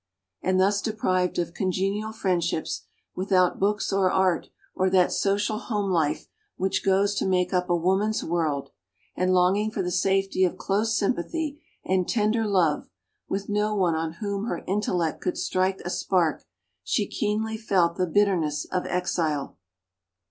And thus deprived of congenial friendships, without books or art or that social home life which goes to make up a woman's world, and longing for the safety of close sympathy and tender love, with no one on whom her intellect could strike a spark, she keenly felt the bitterness of exile.